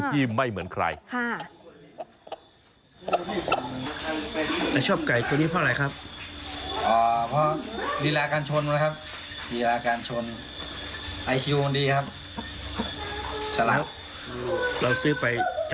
ไก่เขาแบบคิดได้แบบนี้ไหมคิดได้นะว่าเขาเป็นไก่ชน